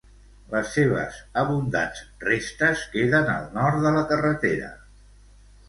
Les seves abundants restes queden al nord de la carretera.